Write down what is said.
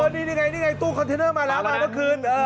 นี่ตู้คอนเทนเนอร์มาแล้วเมื่อเมื่อคืน